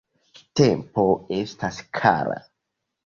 Tempo estas kara.